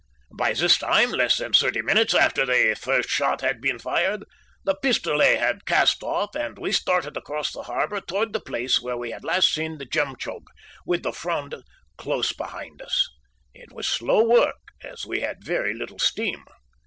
"By this time less than thirty minutes after the first shot had been fired the Pistolet had cast off and we started across the harbor toward the place where we had last seen the Jemtchug, with the Fronde close behind us. It was slow work, as we had very little steam.